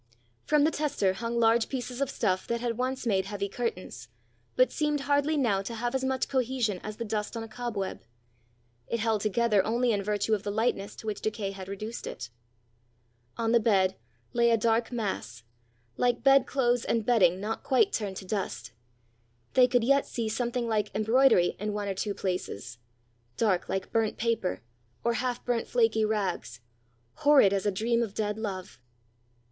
From the tester hung large pieces of stuff that had once made heavy curtains, but seemed hardly now to have as much cohesion as the dust on a cobweb; it held together only in virtue of the lightness to which decay had reduced it. On the bed lay a dark mass, like bed clothes and bedding not quite turned to dust they could yet see something like embroidery in one or two places dark like burnt paper or half burnt flaky rags, horrid as a dream of dead love!